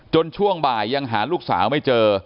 ช่วงบ่ายยังหาลูกสาวไม่เจอ